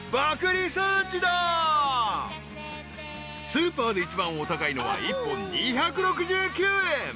［スーパーで一番お高いのは一本２６９円］